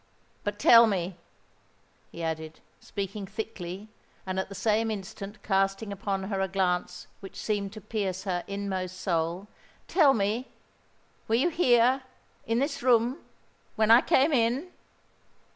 But tell me," he added, speaking thickly, and at the same instant casting upon her a glance which seemed to pierce her inmost soul,—"tell me—were you here—in this room—when I came in?"